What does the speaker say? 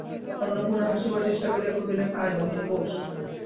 অন্নপূর্ণা হাসিবার চেষ্টা করিয়া কহিলেন, আয় মহিন, বোস।